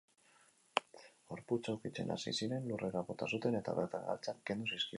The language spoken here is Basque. Gorputza ukitzen hasi ziren, lurrera bota zuten eta bertan galtzak kendu zizkioten.